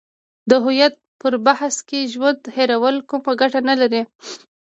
د هویت پر بحث کې ژوند هیرول کومه ګټه نه لري.